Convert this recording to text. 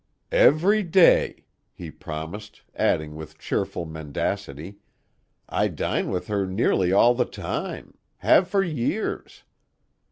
"Every day," he promised, adding with cheerful mendacity: "I dine with her nearly all the time; have for years.